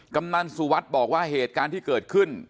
กำนันสุวัสดิ์บอกว่าเหตุการณ์ที่เกิดขึ้น